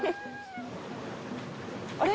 「あれ？